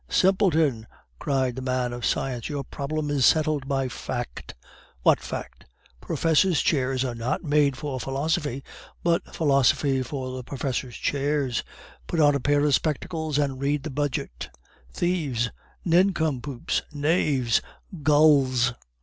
"Simpleton!" cried the man of science, "your problem is settled by fact!" "What fact?" "Professors' chairs were not made for philosophy, but philosophy for the professors' chairs. Put on a pair of spectacles and read the budget." "Thieves!" "Nincompoops!" "Knaves!" "Gulls!"